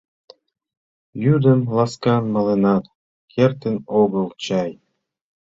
Йӱдым ласкан маленат кертын огыл чай.